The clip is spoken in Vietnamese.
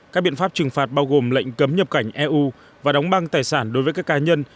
các biện pháp trừng phạt bao gồm lệnh cấm nhập cảnh eu và đóng băng tài sản đối với các cá nhân